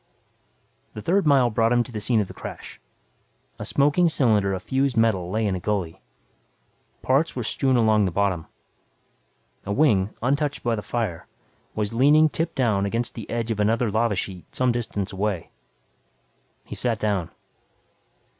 The third mile brought him to the scene of the crash. A smoking cylinder of fused metal lay in a gully. Parts were strewn along the bottom. A wing, untouched by the fire, was leaning tip down against the edge of another lava sheet some distance away. He sat down.